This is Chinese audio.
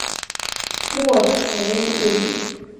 莫济里。